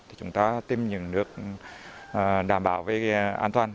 thì chúng ta tìm những nước đảm bảo về an toàn